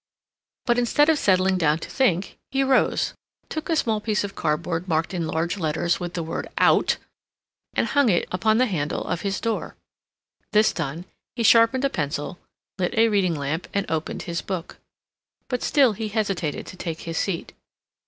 But instead of settling down to think, he rose, took a small piece of cardboard marked in large letters with the word OUT, and hung it upon the handle of his door. This done, he sharpened a pencil, lit a reading lamp and opened his book. But still he hesitated to take his seat.